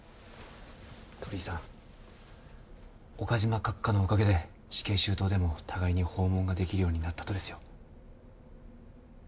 鳥居さん岡島閣下のおかげで死刑囚棟でも互いに訪問ができるようになったとですよ。